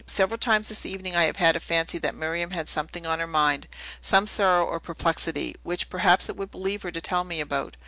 Several times this evening I have had a fancy that Miriam had something on her mind, some sorrow or perplexity, which, perhaps, it would relieve her to tell me about.